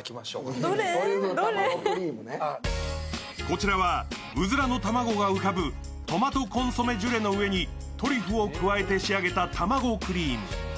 こちらはうずらの卵が浮かぶトマトコンソメジュレの上にトリュフを加えて仕上げた卵クリーム。